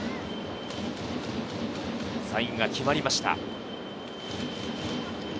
サインが決まりました。